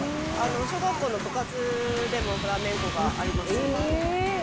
小学校の部活でもフラメンコがあります。